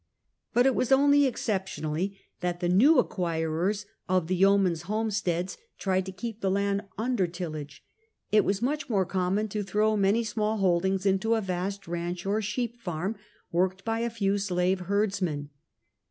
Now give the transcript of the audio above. But it was only exceptionally that the new acquirers of the yeomen's homesteads tried to keep the land under tillage. It was much more common to throw many small holdings into a vast ranche or sheep farm, worked by a few slave herdsmen.